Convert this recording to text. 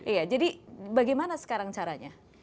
iya jadi bagaimana sekarang caranya